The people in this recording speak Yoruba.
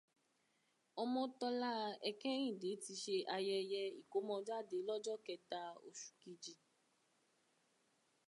Ọmọ́tọ́lá Ẹkẹ́hìndé ti ṣe ayẹyẹ ìkómọjáde lọ́jọ́ kẹta oṣù kejì